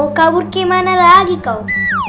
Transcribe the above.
mau kabur kemana lagi kau